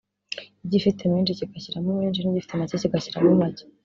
igifite menshi kigashyiramo menshi n’igifite make kigashyiramo make